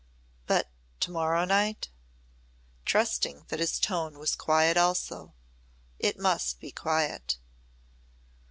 "But to morrow night?" trusting that his tone was quiet also. It must be quiet.